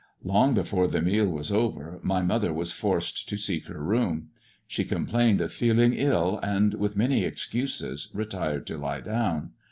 Long before the meal was over my mother was forced to seek her room. She complained of feeling ill, and, with many excuses, retired to lie down.